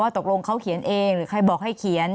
ตกลงเขาเขียนเองหรือใครบอกให้เขียน